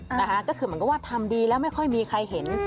นะคะก็คือเหมือนกับว่าทำดีแล้วไม่ค่อยมีใครเห็น